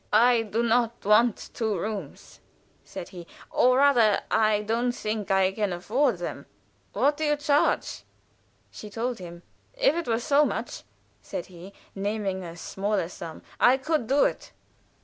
"I do not want two rooms," said he, "or rather, I don't think I can afford them. What do you charge?" She told him. "If it were so much," said he, naming a smaller sum, "I could do it."